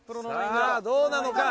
さぁどうなのか？